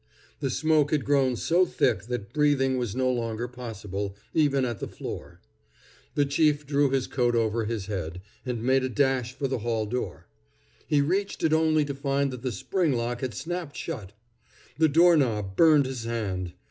The smoke had grown so thick that breathing was no longer possible, even at the floor. The chief drew his coat over his head, and made a dash for the hall door. He reached it only to find that the spring lock had snapped shut. The door knob burned his hand.